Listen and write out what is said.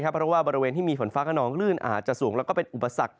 เพราะว่าบริเวณที่มีฝนฟ้าขนองลื่นอาจจะสูงแล้วก็เป็นอุปสรรค